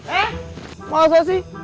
eh masa sih